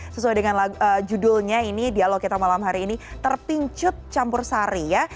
sesuai dengan judulnya ini dialog kita malam hari ini terpincut campur sari ya